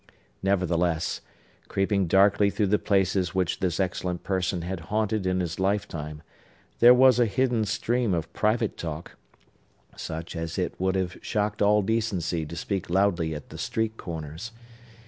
Nevertheless, creeping darkly through the places which this excellent person had haunted in his lifetime, there was a hidden stream of private talk, such as it would have shocked all decency to speak loudly at the street corners.